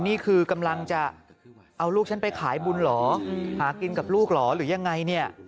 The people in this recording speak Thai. นี่คือกำลังจะเอาลูกฉันไปขายบุญเหรอหากินกับลูกเหรอหรือยังไงเนี่ย